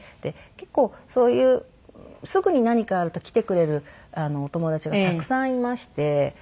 結構そういうすぐに何かあると来てくれるお友達がたくさんいまして。